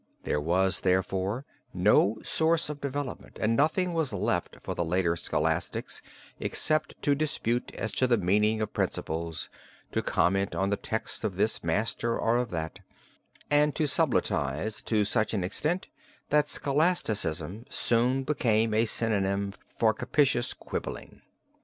There was, therefore, no source of development, and nothing was left for the later Scholastics except to dispute as to the meaning of principles, to comment on the text of this master or of that, and to subtilize to such an extent that Scholasticism soon became a synonym for captious quibbling.